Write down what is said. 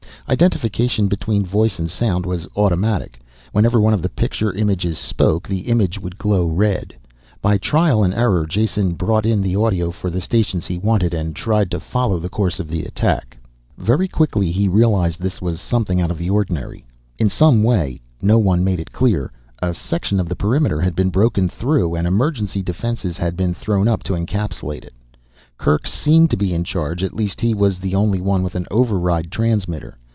Identification between voice and sound was automatic. Whenever one of the pictured images spoke, the image would glow red. By trial and error Jason brought in the audio for the stations he wanted and tried to follow the course of the attack. Very quickly he realized this was something out of the ordinary. In some way, no one made it clear, a section of the perimeter had been broken through and emergency defenses had to be thrown up to encapsulate it. Kerk seemed to be in charge, at least he was the only one with an override transmitter.